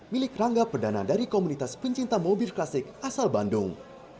milik rangga perdana dari komunitas pencinta mobil klasik asal bandung